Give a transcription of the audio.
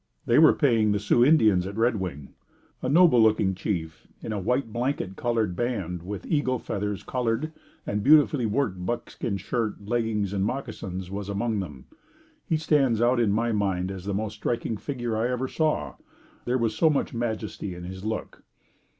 They were paying the Sioux Indians at Red Wing. A noble looking chief in a white blanket colored band with eagles' feathers colored and beautifully worked buckskin shirt, leggings and moccasins was among them. He stands out in my mind as the most striking figure I ever saw. There was so much majesty in his look.